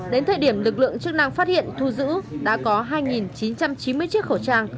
đến thời điểm lực lượng chức năng phát hiện thu giữ đã có hai chín trăm chín mươi chiếc khẩu trang